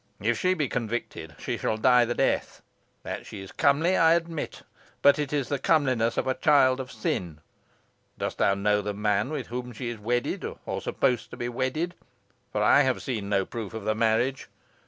If she be convicted she shall die the death. That she is comely I admit; but it is the comeliness of a child of sin. Dost thou know the man with whom she is wedded or supposed to be wedded for I have seen no proof of the marriage?